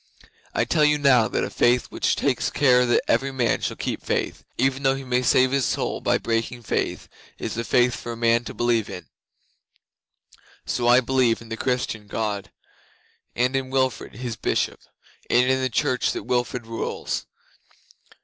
I tell you now that a faith which takes care that every man shall keep faith, even though he may save his soul by breaking faith, is the faith for a man to believe in. So I believe in the Christian God, and in Wilfrid His Bishop, and in the Church that Wilfrid rules.